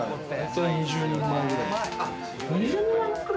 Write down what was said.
２０人前ぐらい。